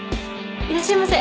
いらっしゃいませ。